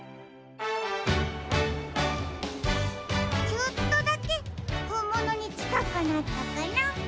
ちょっとだけほんものにちかくなったかな。